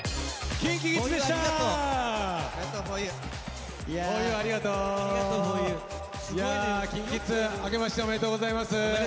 ＫｉｎＫｉＫｉｄｓあけましておめでとうございます。